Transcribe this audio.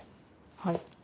はい。